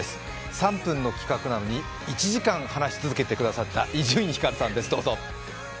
３分の企画なのに１時間話し続けてくださった伊集院光さんです。